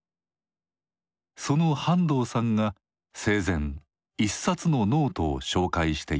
その半藤さんが生前一冊のノートを紹介していました。